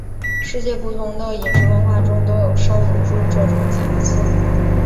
世界不同的饮食文化中都有烧乳猪这种菜色。